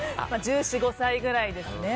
１４１５歳ぐらいですね。